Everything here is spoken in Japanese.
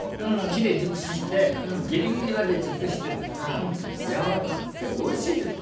木で熟してもうギリギリまで熟してるからやわらかくておいしいんです。